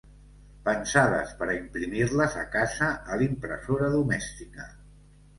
Pensades per a imprimir-les a casa, a l’impressora domèstica.